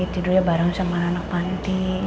tidurnya bareng sama anak anak panti